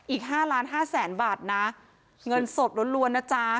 อีก๕๕๐๐๐๐๐บาทนะเงินสดล้วนนะจ๊ะ